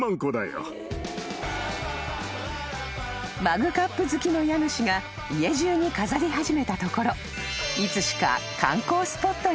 ［マグカップ好きの家主が家中に飾り始めたところいつしか］